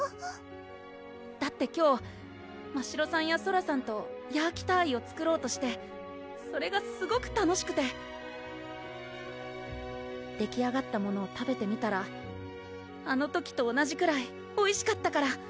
だって今日ましろさんやソラさんとヤーキターイを作ろうとしてそれがすごく楽しくてできあがったものを食べてみたらあの時と同じくらいおいしかったから